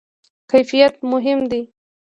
کیفیت مهم دی